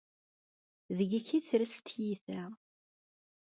Deg-k i tres tyita.